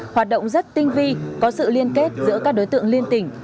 hoạt động rất tinh vi có sự liên kết giữa các đối tượng liên tỉnh